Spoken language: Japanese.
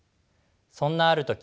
そんなある時